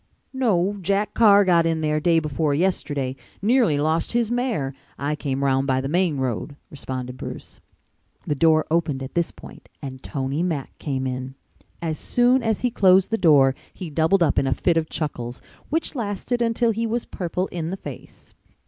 "No, Jack Carr got in there day before yesterday. Nearly lost his mare. I came round by the main road," responded Bruce. The door opened at this point and Tony Mack came in. As soon as he closed the door he doubled up in a fit of chuckles, which lasted until he was purple in the face.